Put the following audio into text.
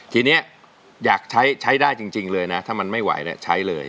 ทีนี้อยากใช้ใช้ได้จริงเลยนะถ้ามันไม่ไหวใช้เลย